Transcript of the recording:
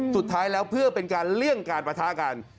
สุดท้ายแล้วเพื่อเป็นการเลี่ยงการประทะกัน